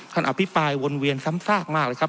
ท่านอภิปรายวนเวียนซ้ำซากมากนะครับ